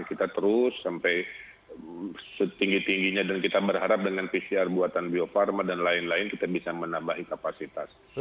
kita terus sampai setinggi tingginya dan kita berharap dengan pcr buatan bio farma dan lain lain kita bisa menambah kapasitas